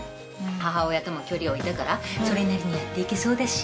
母親とも距離を置いたからそれなりにやっていけそうだし。